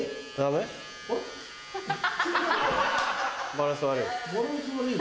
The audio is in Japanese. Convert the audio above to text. バランス悪い？